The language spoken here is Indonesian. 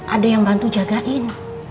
ada yang bantu jagain